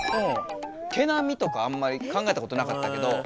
毛なみとかあんまり考えたことなかったけど。